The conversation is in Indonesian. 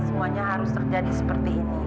semuanya harus terjadi seperti ini